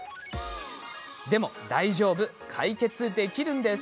でも大丈夫、解決できるんです。